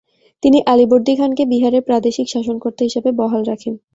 তিনি আলীবর্দী খানকে বিহারের প্রাদেশিক শাসনকর্তা হিসেবে বহাল রাখেন।